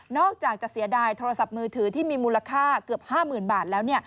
อกจากจะเสียดายโทรศัพท์มือถือที่มีมูลค่าเกือบ๕๐๐๐บาทแล้ว